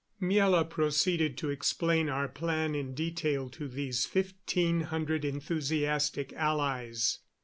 Miela proceeded to explain our plan in detail to these fifteen hundred enthusiastic allies.